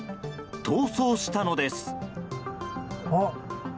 逃走したのです。